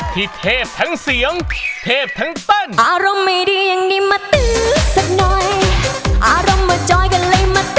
ที่เทพทั้งเสียงเทพทั้งแต้น